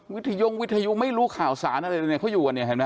ทยงวิทยุไม่รู้ข่าวสารอะไรเลยเนี่ยเขาอยู่กันเนี่ยเห็นไหม